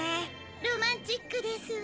ロマンチックですわ。